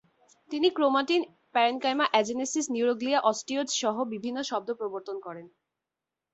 তিনি chromatin, parenchyma, agenesis, neuroglia, অস্টিয়েডসহ বিভিন্ন শব্দ প্রবর্তন করেন।